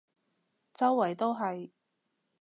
周圍都係